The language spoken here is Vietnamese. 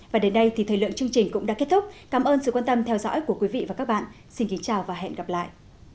và đến đây thì thời lượng chương trình cũng đã kết thúc cảm ơn sự quan tâm theo dõi của quý vị và các bạn xin kính chào và hẹn gặp lại